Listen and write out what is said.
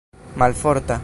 malforta